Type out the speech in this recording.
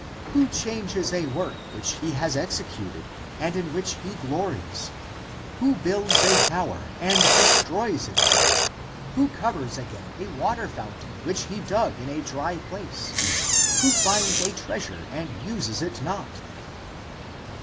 Who changes a work which he has exe cuted and in which he glories? <Who builds a tower and> destroys it again? Who covers again 332 THE APOCRYPHAL ACTS a water fountain, which he dug in a dry place? Who finds a treasure and uses it not?"